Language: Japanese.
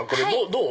どう？